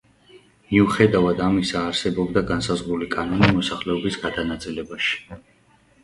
მიუხედავად ამისა არსებობდა განსაზღვრული კანონი მოსახლეობის გადანაწილებაში.